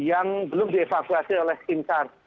yang belum dievakuasi oleh tim sar